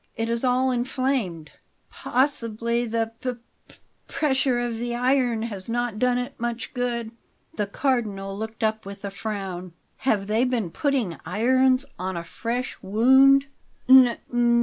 "It is all inflamed." "Possibly the p p pressure of the iron has not done it much good." The Cardinal looked up with a frown. "Have they been putting irons on a fresh wound?"